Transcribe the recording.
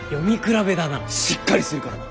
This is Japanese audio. しっかりするからな！